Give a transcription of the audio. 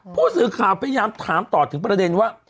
ผู้สื่อขายนะถ่ายต่อถึงประเทศว่า